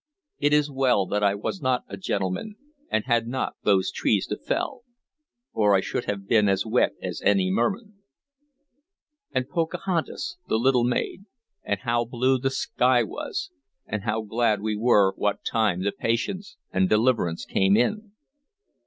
"It is well that I was n't a gentleman, and had not those trees to fell, or I should have been as wet as any merman.... And Pocahontas, the little maid... and how blue the sky was, and how glad we were what time the Patience and Deliverance came in!"